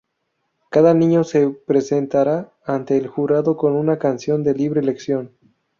Cada niño se presentará ante el jurado con una canción de libre elección.